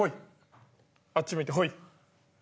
あっち向いてホイ。